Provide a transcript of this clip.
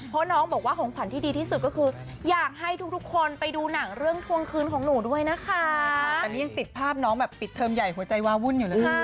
หวานหวานหวานหวานหวานหวานหวานหวานหวานหวานหวานหวาน